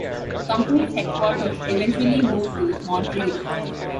The company's headquarters eventually moved to Montreal.